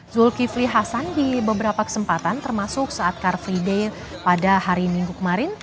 zulkifli hasan di beberapa kesempatan termasuk saat car free day pada hari minggu kemarin